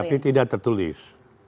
tapi tidak tertulis